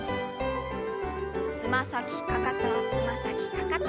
つま先かかとつま先かかと。